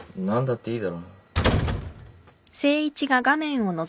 何だっていいだろ。